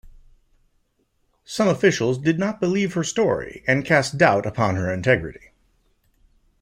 Some officials did not believe her story and cast doubt upon her integrity.